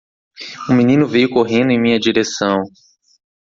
Um menino veio correndo em minha direção.